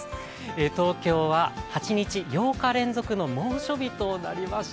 東京は８日連続の猛暑日となりました。